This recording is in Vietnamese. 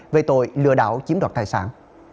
về tội lừa đảo chiếm đoạt tài sản